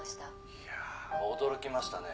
「いやあ驚きましたね」